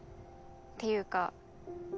ていうか